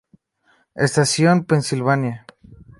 Estación Pensilvania